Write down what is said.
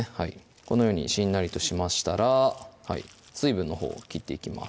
このようにしんなりとしましたら水分のほう切っていきます